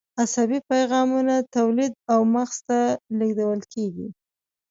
عصبي پیغامونه تولید او مغز ته لیږدول کېږي.